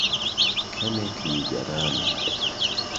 کەمێک نیگەرانم.